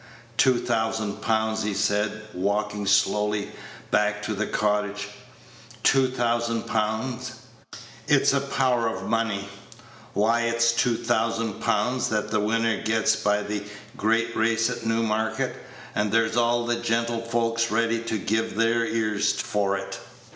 "Two thousand pound," he said, walking slowly back to the cottage "two thousand pound. It's a power of money. Why it's two thousand pound that the winner gets by the great race at Newmarket, and there's all the gentlefolks ready to give their ears for it.